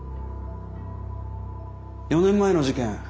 ４年前の事件